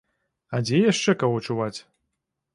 А дзе яшчэ каго чуваць?